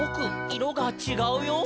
いろがちがうよ」